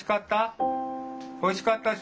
おいしかった人？